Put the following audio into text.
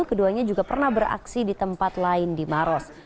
keduanya juga pernah beraksi di tempat lain di maros